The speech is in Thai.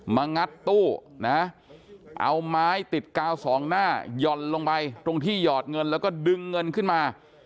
งัดตู้นะเอาไม้ติดกาวสองหน้าหย่อนลงไปตรงที่หยอดเงินแล้วก็ดึงเงินขึ้นมา